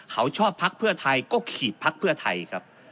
เขาชอบพักเพื่อไทยก็ขีดพักเพื่อไทยครับ